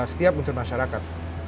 setiap unsur masyarakat